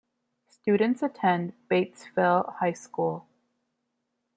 Students attend Batesville High School.